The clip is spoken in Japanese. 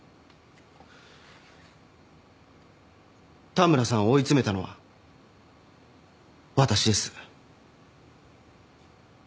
田村さんを追い詰めたのは私です。